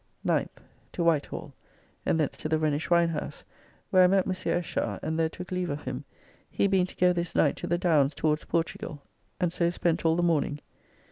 9th. To Whitehall, and thence to the Rhenish wine house, where I met Mons. Eschar and there took leave of him, he being to go this night to the Downs towards Portugall, and so spent all the morning.